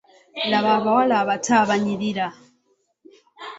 Laba abawala abato abanyirira.